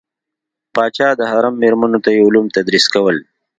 پاچا د حرم میرمنو ته یې علوم تدریس کول.